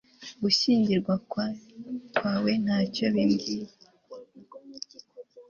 gushyingirwa kwa we ntacyo bimbwiye